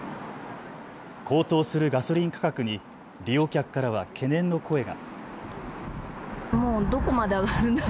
高騰するガソリン価格に利用客からは懸念の声が。